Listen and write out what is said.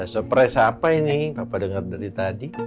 surprise apa ini bapak dengar dari tadi